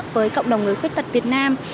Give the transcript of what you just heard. với cộng đồng người khuyết tật việt nam